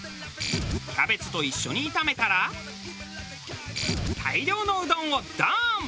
キャベツと一緒に炒めたら大量のうどんをドーン！